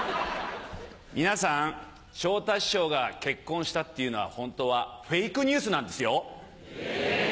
皆さん昇太師匠が結婚したっていうのは本当はフェイクニュースなんですよ。え！